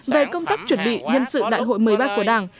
về công tác chuẩn bị nhân sự đại hội một mươi ba của đảng